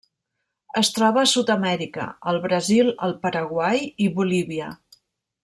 Es troba a Sud-amèrica: el Brasil, el Paraguai i Bolívia.